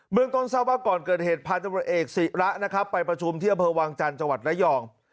เมืองต้นเศร้าบ้านก่อนเกิดเหตุพันธบรตเอกศรีระไปประชุมที่อเภอวางจันทร์จังหวัดระยอง